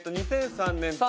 ２００３年と。